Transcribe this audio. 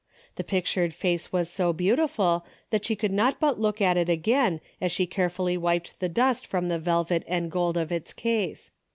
The pictured face was so beautiful that she could not but look at it again as she carefully wiped the dust from the velvet and gold of its case.